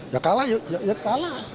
ya kalah ya kalah